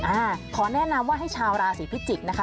อ่าขอแนะนำว่าให้ชาวราศีพิจิกษ์นะคะ